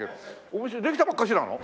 お店できたばっかしなの？